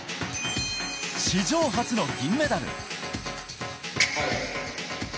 史上初の銀メダル。